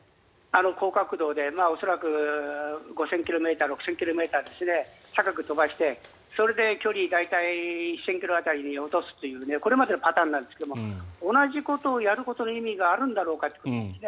高角度で５０００ｋｍか６０００ｋｍで高く飛ばして距離、大体１０００ｋｍ辺りに落とすというこれまでのパターンなんですが同じことをやることの意味があるんだろうかということです。